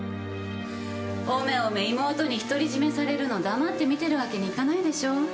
おめおめ妹に独り占めされるの黙って見てるわけにいかないでしょう？